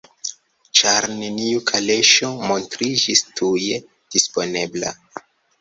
Ĉar neniu kaleŝo montriĝis tuje disponebla: